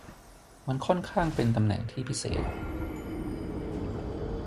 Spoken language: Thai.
มันค่อนข้างเป็นตำแหน่งที่พิเศษ